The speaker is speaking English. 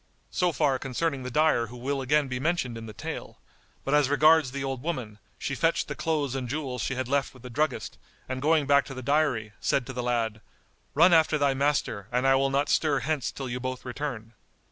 So far concerning the dyer who will again be mentioned in the tale; but as regards the old woman, she fetched the clothes and jewels she had left with the druggist and going back to the dyery, said to the lad, "Run after thy master, and I will not stir hence till you both return."